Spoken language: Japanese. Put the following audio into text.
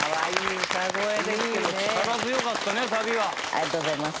ありがとうございます。